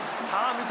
三笘。